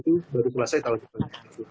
itu baru pula saya tahu jelas